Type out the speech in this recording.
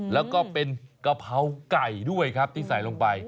แล้วก็เป็นกะเพราไก่ด้วยครับที่ใส่ลงไป